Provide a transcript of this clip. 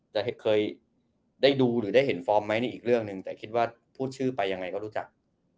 จะเคยได้ดูหรือได้เห็นฟอร์มไหมนี่อีกเรื่องหนึ่งแต่คิดว่าพูดชื่อไปยังไงก็รู้จัก